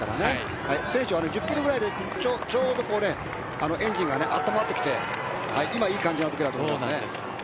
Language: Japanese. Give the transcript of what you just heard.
選手は１０キロぐらいでエンジンが温まってきて今、いい感じだと思います。